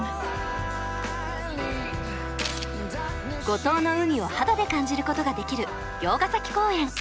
五島の海を肌で感じることができる魚津ヶ崎公園。